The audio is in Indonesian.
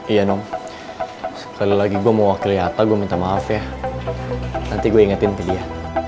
iya nom sekali lagi gue mau wakil ata gue minta maaf yah nanti gue ingetin ke dia